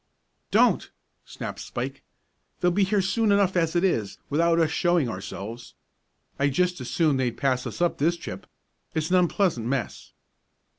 "Don't!" snapped Spike. "They'll be here soon enough as it is, without us showing ourselves. I'd just as soon they'd pass us up this trip it's an unpleasant mess."